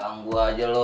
gak anggu aja lo